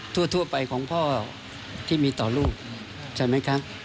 ทั่วไปของพ่อที่มีต่อลูกใช่ไหมครับ